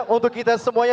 untuk kita semuanya